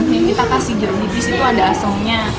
yang kita kasih jeruk nipis itu ada asemnya